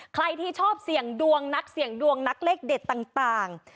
ใครที่ชอบเสี่ยงดวงนักเสี่ยงดวงนักเลขเด็ดต่าง